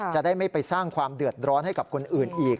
จะได้ไม่ไปสร้างความเดือดร้อนให้กับคนอื่นอีก